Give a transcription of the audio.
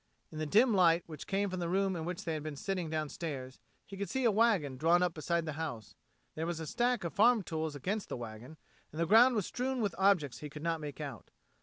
In the dim light which came from the room in which they had been sitting downstairs he could see a wagon drawn up beside the house; there was a stack of farm tools against the wagon, and the ground was strewn with objects he could not make out.